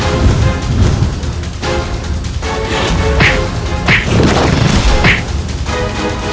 untuk secara terinci